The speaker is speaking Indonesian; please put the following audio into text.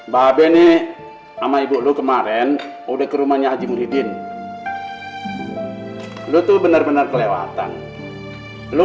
babennya ama ibu lu kemarin udah ke rumahnya haji muhyiddin lu tuh bener bener kelewatan lu